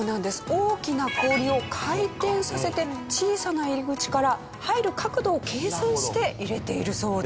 大きな氷を回転させて小さな入り口から入る角度を計算して入れているそうです。